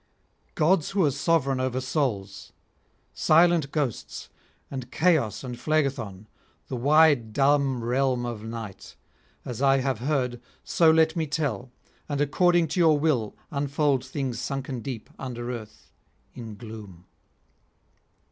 Gods who are sovereign over souls! silent ghosts, and Chaos and Phlegethon, the wide dumb realm of night! as I have heard, so let me tell, and according to your will unfold things sunken deep under earth in gloom.